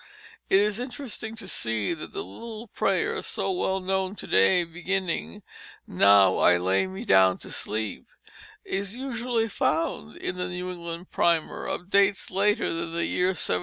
It is interesting to see that the little prayer so well known to day, beginning "Now I lay me down to sleep," is usually found in the New England Primer of dates later than the year 1737.